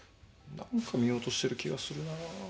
なんか見落としてる気がするな。